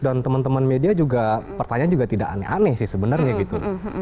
dan teman teman media juga pertanyaan juga tidak aneh aneh sih sebenarnya gitu